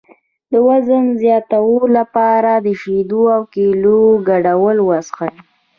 د وزن زیاتولو لپاره د شیدو او کیلې ګډول وڅښئ